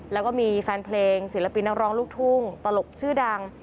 แล้วก็มีแฟนเพลงศิลปินนักร้องลูกทุ่งตลกชื่อดัง